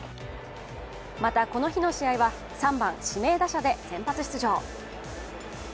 またこの日の試合は３番・指名打者で先発出場。